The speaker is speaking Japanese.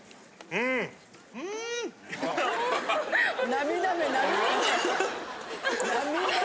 涙目涙目！